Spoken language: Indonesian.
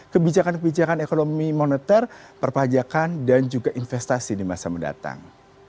kebijakan kebijakan ekonomi moneter perpajakan dan juga investasi di masa mendatang